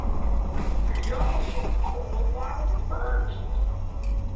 They also call while perched.